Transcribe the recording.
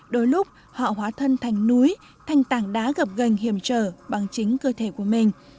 đôi lúc họ hóa thân thành núi thành tảng đá gập gành hiểm trở bằng chính cơ thể của mình